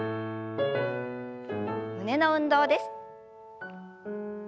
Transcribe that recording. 胸の運動です。